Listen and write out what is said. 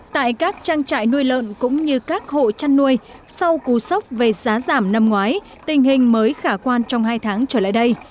tại các trang trại nuôi lợn cũng như các hộ chăn nuôi sau cú sốc về giá giảm năm ngoái tình hình mới khả quan trong hai tháng trở lại đây